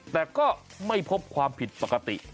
แต่ก็ไม่พบความผิดปกติ